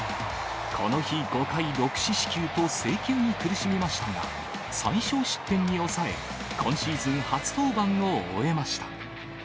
この日、５回６四死球と制球に苦しみましたが、最少失点に抑え、今シーズン初登板を終えました。